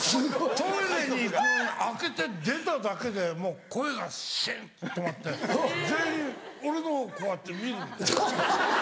トイレに行く開けて出ただけでもう声がしんと止まって全員俺のほうこうやって見る。